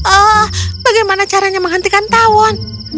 ah bagaimana caranya menghentikan tawon